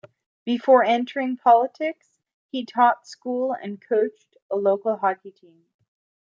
Before entering politics he taught school and coached a local hockey team.